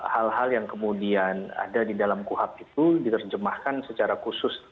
hal hal yang kemudian ada di dalam kuhap itu diterjemahkan secara khusus